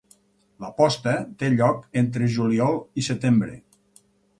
La posta té lloc entre juliol i setembre.